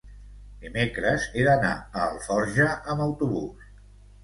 dimecres he d'anar a Alforja amb autobús.